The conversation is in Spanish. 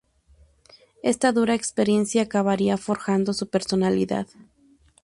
Esta dura experiencia acabaría forjando su personalidad.